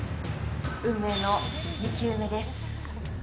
運命の２球目です。